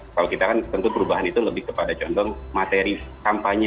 kalau kita kan tentu perubahan itu lebih kepada contoh materi kampanye